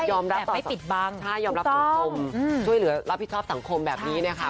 ยอมรับสังคมช่วยเหลือรับผิดชอบสังคมแบบนี้นะคะ